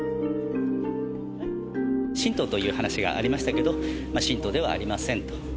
信徒という話がありましたけど、信徒ではありませんと。